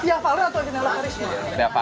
diavalen atau nela karisma